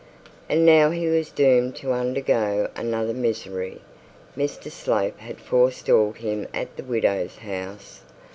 And now he was doomed to undergo another misery. Mr Slope had forestalled him at the widow's house.